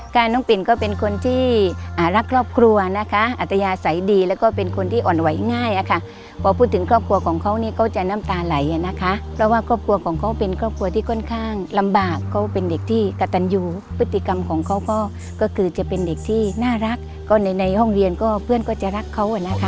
น้องปิ่นก็เป็นคนที่รักครอบครัวนะคะอัตยาศัยดีแล้วก็เป็นคนที่อ่อนไหวง่ายอะค่ะพอพูดถึงครอบครัวของเขาเนี่ยเขาจะน้ำตาไหลอ่ะนะคะเพราะว่าครอบครัวของเขาเป็นครอบครัวที่ค่อนข้างลำบากเขาเป็นเด็กที่กระตันอยู่พฤติกรรมของเขาก็คือจะเป็นเด็กที่น่ารักก็ในในห้องเรียนก็เพื่อนก็จะรักเขาอ่ะนะคะ